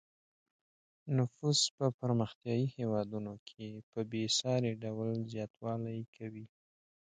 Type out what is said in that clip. نفوس په پرمختیايي هېوادونو کې په بې ساري ډول زیاتوالی کوي.